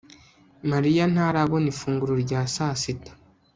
Mariya ntarabona ifunguro rya saa sita